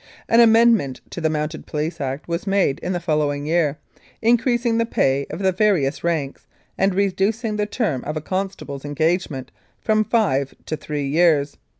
An amendment to the Mounted Police Act was made in the following year, increasing the pay of the various ranks and reducing the term of a constable's engage ment from five to three years.